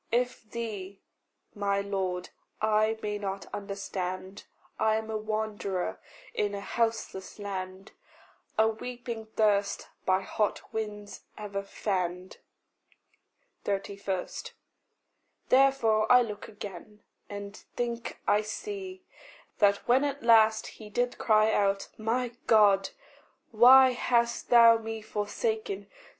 If thee, my Lord, I may not understand, I am a wanderer in a houseless land, A weeping thirst by hot winds ever fanned. 31. Therefore I look again and think I see That, when at last he did cry out, "My God, Why hast thou me forsaken?"